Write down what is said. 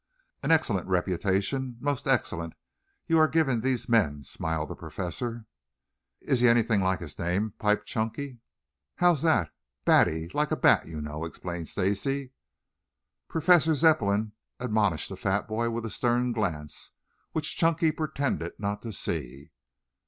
"An excellent reputation, most excellent, you are giving these men," smiled the Professor. "Is he anything like his name?" piped Chunky. "How's that?" "Batty like a bat, you know," explained Stacy. Professor Zepplin admonished the fat boy with a stern glance, which Chunky pretended not to see.